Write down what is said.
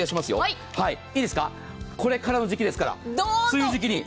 これからの時期ですから梅雨時期に。